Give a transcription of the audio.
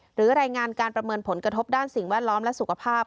หรือรายงานการประเมินผลกระทบด้านสิ่งแวดล้อมและสุขภาพ